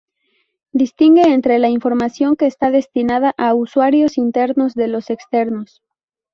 Distingue entre la información que está destinada a usuarios internos de los externos.